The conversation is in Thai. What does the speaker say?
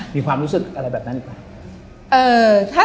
มีความรู้สึกอะไรแบบนั้นหรือเปล่า